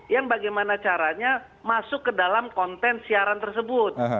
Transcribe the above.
yang bagaimana caranya masuk ke dalam konten siaran tersebut